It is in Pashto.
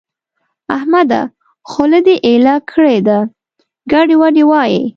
احمده! خوله دې ايله کړې ده؛ ګډې وډې وايې.